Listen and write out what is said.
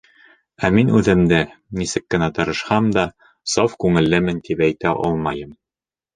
Ә мин үҙемде, нисек кенә тырышһам да, саф күңеллемен тип әйтә алмайым.